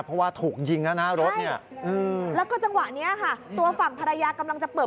เพราะว่าถูกยิงแล้วหน้ารถเนี่ยแล้วก็จังหวะนี้ค่ะตัวฝั่งภรรยากำลังจะเปิด